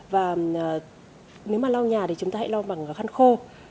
và nếu mà lau nhà thì chúng ta hãy lo bằng khăn khô